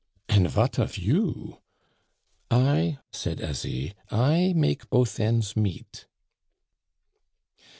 "An' vat of you?" "I," said Asie, "I make both ends meet."